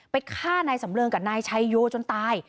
ฆ่านายสำเริงกับนายชัยโยจนตาย